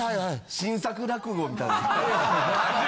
新作落語みたいな。